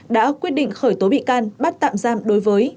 đã quyết định khởi tố bị can bắt tạm giam đối với